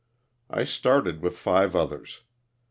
I started with five others.